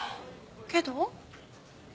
けど？